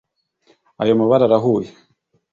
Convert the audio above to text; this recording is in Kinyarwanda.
ayo mabara arahuye